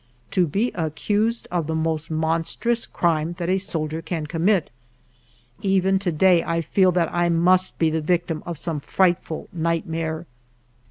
To be accused of the most monstrous crime that a soldier can commit ! Even to day I feel that I must be the victim of some frightful nightmare.